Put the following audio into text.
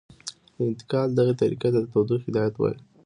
د انتقال دغې طریقې ته تودوخې هدایت وايي.